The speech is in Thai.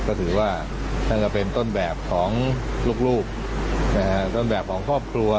ก็ถือว่าท่านก็เป็นต้นแบบของลูกต้นแบบของครอบครัว